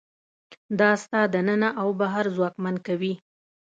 دا ستا دننه او بهر ځواکمن کوي.